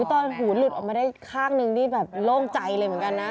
อุ๊ยตอนหูหลุดออกมาได้คาดหนึ่งที่โล่งใจเลยเหมือนกันนะ